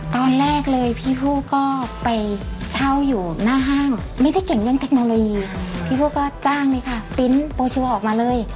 ตอนแรกเลยพี่ผู้ก็ไปเช่าอยู่หน้าห้างไม่ได้เก่งเรื่องเทคโนโลยีพี่ผู้ก็จ้างเลยค่ะปริ้นต์โปรชิวออกมาเลย